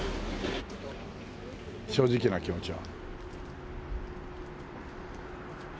正直な気持ちを。